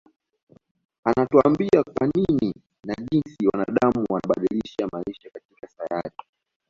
Anatuambia kwa nini na jinsi wanadam wamebadilisha maisha katika sayari